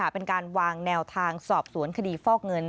เป็นการวางแนวทางสอบสวนคดีฟอกเงิน